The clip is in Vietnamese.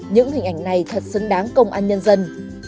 những hình ảnh này thật xứng đáng công an nhân dân